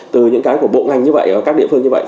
từ những cái của bộ ngành như vậy ở các địa phương như vậy